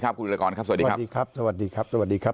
คุณวิรากรครับสวัสดีครับสวัสดีครับสวัสดีครับสวัสดีครับ